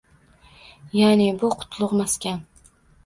Ya’ni, bu qutlug‘ maskan.